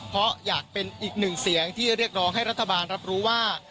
เพราะอยากเป็นอีกหนึ่งเสียงที่เรียกร้องให้รัฐบาลรับรู้ว่า